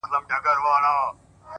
راوړم سکروټې تر دې لویي بنگلي پوري!